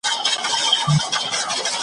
زما له مخي دوې مچکي واخلي بیره ځغلي .